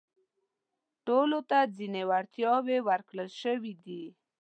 ټولو ته ځينې وړتياوې ورکړل شوي دي.